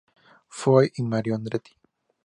Foyt y Mario Andretti.